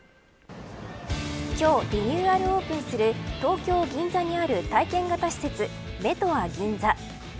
今日リニューアルオープンする東京、銀座にある体験型施設ＭＥＴｏＡＧｉｎｚａ。